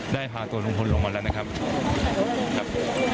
พาตัวลุงพลลงมาแล้วนะครับครับ